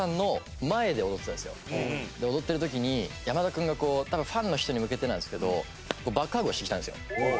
踊ってる時に山田君がこう多分ファンの人に向けてなんですけどバックハグをしてきたんですよ。